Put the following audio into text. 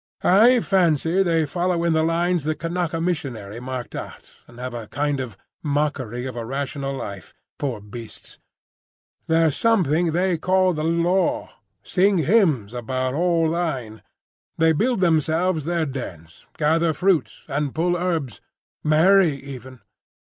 I fancy they follow in the lines the Kanaka missionary marked out, and have a kind of mockery of a rational life, poor beasts! There's something they call the Law. Sing hymns about 'all thine.' They build themselves their dens, gather fruit, and pull herbs—marry even.